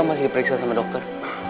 masih diperiksa sama dokter